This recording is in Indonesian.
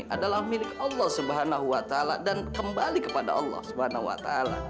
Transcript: adalah milik allah swt dan kembali kepada allah swt